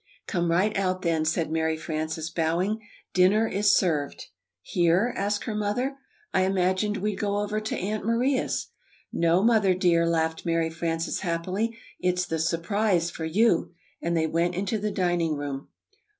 "Come right out, then," said Mary Frances, bowing, "Dinner is Served." [Illustration: "You dear, darling Mother!"] "Here?" asked her mother. "I im ag ined we'd go over to Aunt Maria's." "No, Mother, dear," laughed Mary Frances, happily; "it's the 'surprise' for you." And they went into the dining room.